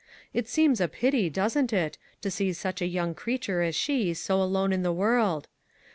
It seems a pity, doesn't it, to see such a young creature as she so alone in the world?